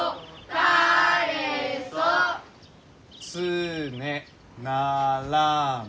「つねならむ」。